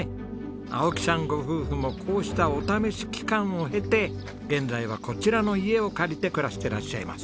青木さんご夫婦もこうしたお試し期間を経て現在はこちらの家を借りて暮らしてらっしゃいます。